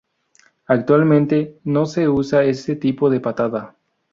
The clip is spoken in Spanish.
Actualmente no se usa ese tipo de patada.